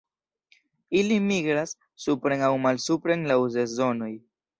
Ili migras supren aŭ malsupren laŭ sezonoj.